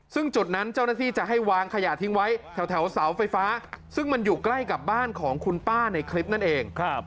ซึ่งจุดนั้นเจ้าหน้าที่จะให้วางขยะทิ้งไว้แถวเสาไฟฟ้าซึ่งมันอยู่ใกล้กับบ้านของคุณป้าในคลิปนั่นเอง